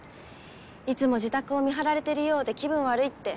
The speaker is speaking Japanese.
いつも自宅を見張られているようで気分悪いって。